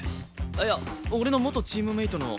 いや俺の元チームメートの。